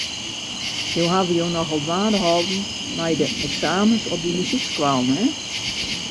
Jo hawwe jo nochal dwaande holden mei de eksamens op dy muzykskoallen, hin.